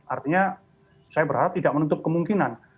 artinya saya berharap tidak menutup kemungkinan